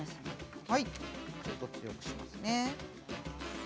ちょっと強くしますね。